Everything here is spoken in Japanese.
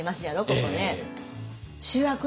ここね。